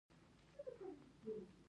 غوره والی رامنځته کړي.